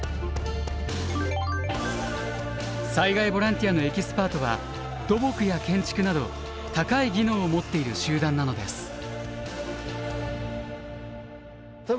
災害ボランティアのエキスパートは土木や建築など高い技能を持っている集団なのです。